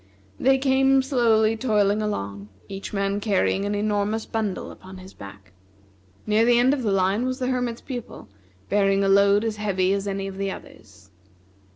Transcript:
They came slowly toiling along, each man carrying an enormous bundle upon his back. Near the end of the line was the Hermit's Pupil, bearing a load as heavy as any of the others.